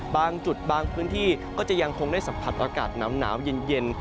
บางจุดบางพื้นที่ก็จะยังคงได้สัมผัสอากาศหนาวเย็น